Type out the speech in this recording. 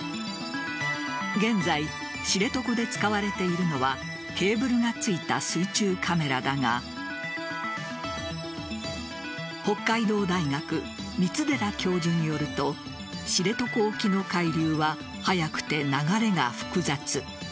現在、知床で使われているのはケーブルがついた水中カメラだが北海道大学・三寺教授によると知床沖の海流は速くて、流れが複雑。